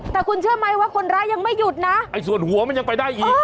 แต่คุณเชื่อไหมว่าคนร้ายยังไม่หยุดนะไอ้ส่วนหัวมันยังไปได้อีก